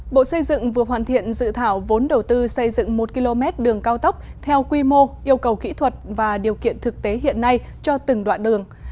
bộ xây dựng vừa hoàn thiện dự thảo vốn đầu tư xây dựng một km đường cao tốc theo quy mô yêu cầu kỹ thuật và điều kiện thực tế hiện nay cho từng đoạn đường